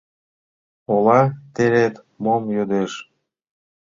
Ола терет мом йодеш?